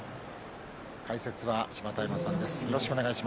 解説は芝田山さんです。